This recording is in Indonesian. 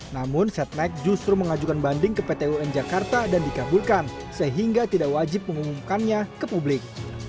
namun setnek justru mengajukan banding ke pt un jakarta dan dikabulkan sehingga tidak wajib mengumumkannya ke publik